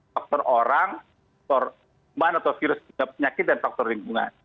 faktor orang faktor kuman atau virus penyakit dan faktor lingkungan